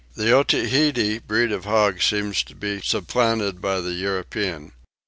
The Otaheite breed of hogs seems to be supplanted by the European.